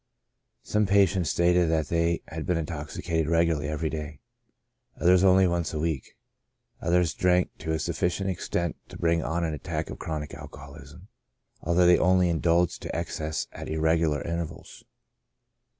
Some patients stated that they had been intoxicated regularly every day ; others only once a week ; others drank to a sufficient extent to bring on an attack of chronic alcoholism, although they only indulged to excess at irregular intervals.